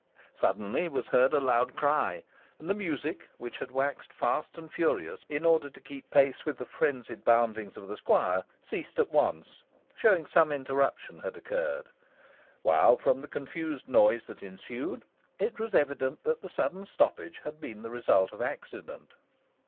Suddenly was heard a loud cry, and the music, which had waxed fast and furious in order to keep pace with the frenzied boundings of the squire, ceased at once, showing some interruption had occurred, while from the confused noise that ensued, it was evident the sudden stoppage had been the result of accident.